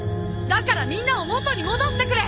だからみんなを元に戻してくれ！